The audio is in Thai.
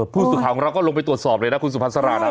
พูดสุดท้ายของเราก็ลงไปตรวจสอบเลยนะคุณสุภาษณ์สร้าง